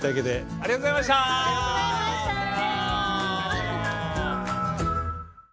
ありがとうございました！さようなら！